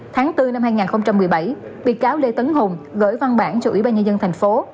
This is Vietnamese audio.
tháng bốn năm hai nghìn một mươi bảy bị cáo lê tấn hùng gửi văn bản cho ủy ban nhân dân thành phố